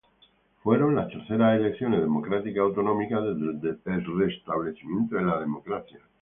Fueron las terceras elecciones democráticas autonómicas desde el restablecimiento de la democracia.